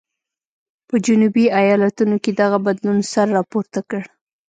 په جنوبي ایالتونو کې دغه بدلون سر راپورته کړ.